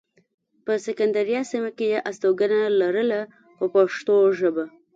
په سکندریه سیمه کې یې استوګنه لرله په پښتو ژبه.